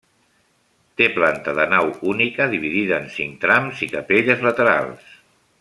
Té planta de nau única dividida en cinc trams i capelles laterals.